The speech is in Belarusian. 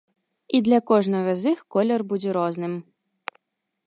І для кожнага з іх колер будзе розным.